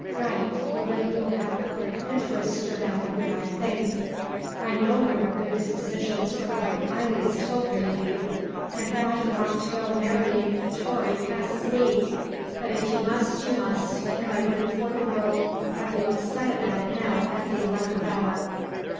Write, the way you'll have public interest stirred up in the right things. I know you're of good dispositions from what Eily's told me of you. And why you want to go marrying a Tory passes me. But if you must you must, and I wouldn't for the world have you upset about it now at the eleventh hour."